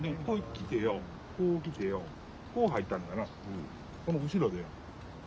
こう入ったんだなこの後ろで。